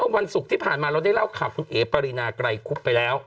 วันศุกร์ที่ผ่านมาเราได้เล่าข่าวคุณเอ๋ปรินาไกรคุบไปแล้ว